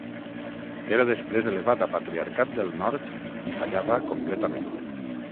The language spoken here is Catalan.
Era després elevat a Patriarcat del Nord i fallava completament.